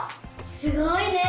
すごいね！